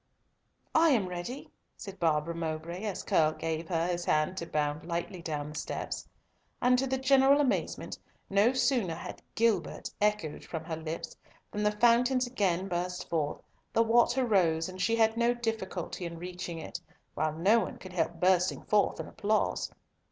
"I am ready," said Barbara Mowbray, as Curll gave her his hand to bound lightly down the steps. And to the general amazement, no sooner had "Gilbert" echoed from her lips than the fountains again burst forth, the water rose, and she had no difficulty in reaching it, while no one could help bursting forth in applause.